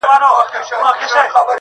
د ده له قبره تر اسمان پوري ډېوې ځلیږي -